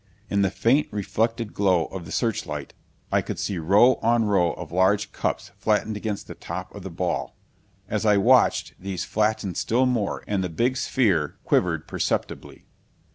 In the faint reflected glow of the searchlight I could see row on row of large cups flattened against the top of the ball. As I watched these flattened still more and the big sphere quivered perceptibly.